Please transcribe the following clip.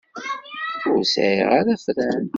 Ur sɛiɣ ara afran.